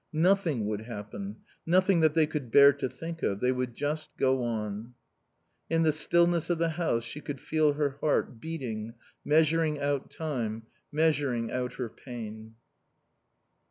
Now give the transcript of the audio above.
Nothing would happen. Nothing that they could bear to think of. They would just go on. In the stillness of the house she could feel her heart beating, measuring out time, measuring out her pain.